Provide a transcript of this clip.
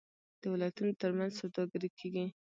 د ولایتونو ترمنځ سوداګري کیږي.